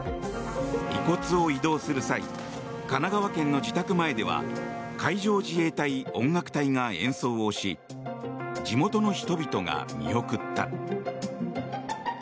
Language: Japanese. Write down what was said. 遺骨を移動する際神奈川県の自宅前では海上自衛隊音楽隊が演奏をし地元の人々が見送った。